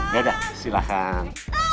gak ada silakan